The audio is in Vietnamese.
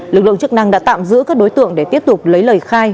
lực lượng chức năng đã tạm giữ các đối tượng để tiếp tục lấy lời khai